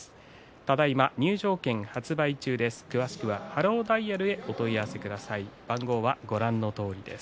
ただいま入場券発売中です。